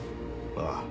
ああ。